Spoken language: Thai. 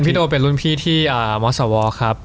โดเป็นรุ่นพี่ที่มสวครับ